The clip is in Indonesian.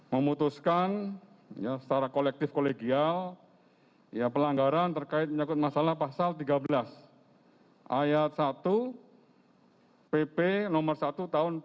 memutuskan secara kolektif kolegial pelanggaran terkait menyakut masalah pasal tiga belas ayat satu pp nomor satu tahun dua ribu